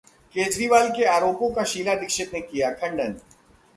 केजरीवाल के आरोपों का शीला दीक्षित ने किया खंडन